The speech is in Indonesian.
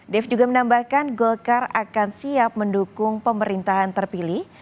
dave juga menambahkan golkar akan siap mendukung pemerintahan terpilih